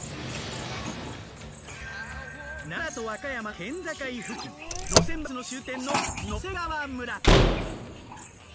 奈良と和歌山の県境付近路線バスの終点の野迫川村。